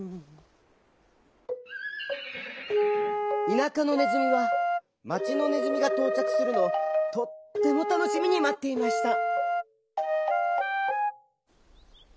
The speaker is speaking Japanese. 田舎のねずみは町のねずみがとうちゃくするのをとってもたのしみにまっていました。